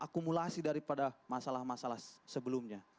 akumulasi daripada masalah masalah sebelumnya